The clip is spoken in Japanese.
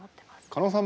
狩野さん